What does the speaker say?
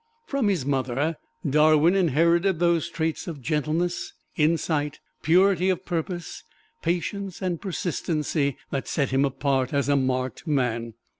From his mother Darwin inherited those traits of gentleness, insight, purity of purpose, patience and persistency that set him apart as a marked man.